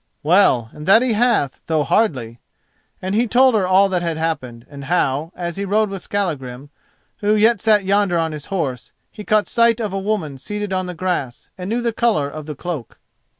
"Well, and that he hath, though hardly," and he told her all that had happened, and how, as he rode with Skallagrim, who yet sat yonder on his horse, he caught sight of a woman seated on the grass and knew the colour of the cloak.